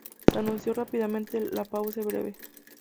Se anunció rápidamente la pausa breve.